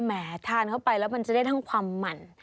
แหมทานเข้าไปแล้วมันจะได้ทั้งความหมั่น